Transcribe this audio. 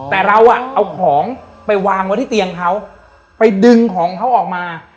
แต่เราอ่ะเอาของไปวางไว้ที่เตียงเขาไปดึงของเขาออกมา